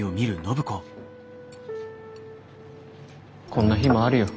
こんな日もあるよ。